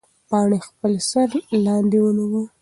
پاڼې خپل سر لاندې ونیوه.